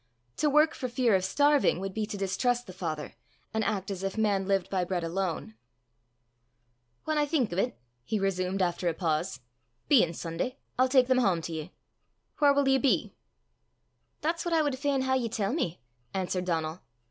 To work for fear of starving would be to distrust the Father, and act as if man lived by bread alone. "Whan I think o' 't," he resumed after a pause, "bein' Sunday, I'll tak them hame to ye. Whaur wull ye be?" "That's what I wad fain hae ye tell me," answered Donal.